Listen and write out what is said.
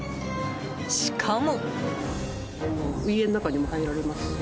しかも。